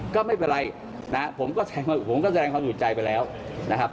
ก็ไม่เป็นไรนะผมก็แสดงความอยู่ใจไปแล้วนะครับ